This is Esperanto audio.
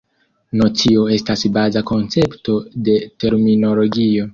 Nocio estas baza koncepto de terminologio.